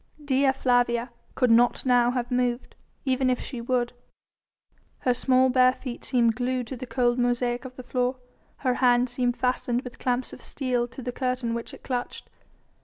Dea Flavia could not now have moved, even if she would. Her small bare feet seemed glued to the cold mosaic of the floor, her hand seemed fastened with clamps of steel to the curtain which it clutched.